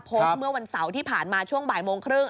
เมื่อวันเสาร์ที่ผ่านมาช่วงบ่ายโมงครึ่ง